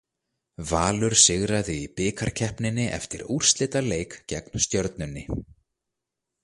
Valur sigraði í bikarkeppninni eftir úrslitaleik gegn Stjörnunni.